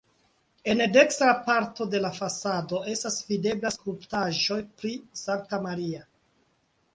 En dekstra parto de la fasado estas videbla skulptaĵo pri Sankta Maria.